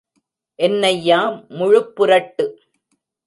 என்னய்யா முழுப்புரட்டு!